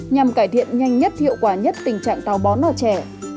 nhằm cải thiện nhanh nhất hiệu quả nhất tình trạng tàu bón ở trẻ